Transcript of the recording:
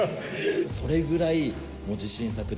それぐらいもう自信作で。